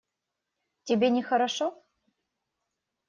Тебе нехорошо?